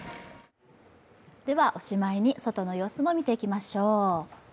では、おしまいに外の様子を見ていきましょう。